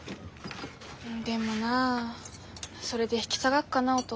でもなあそれで引き下がっかなあお父さん。